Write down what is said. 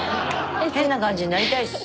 変な感じになりたいっす。